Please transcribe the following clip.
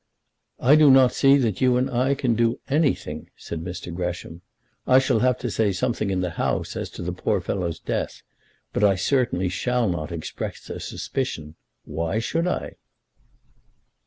"I do not see that you and I can do anything," said Mr. Gresham. "I shall have to say something in the House as to the poor fellow's death, but I certainly shall not express a suspicion. Why should I?"